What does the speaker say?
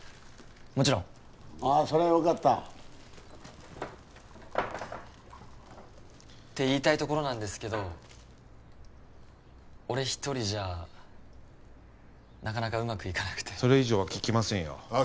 もちろんああそれはよかったって言いたいところなんですけど俺一人じゃなかなかうまくいかなくてそれ以上は聞きませんよああ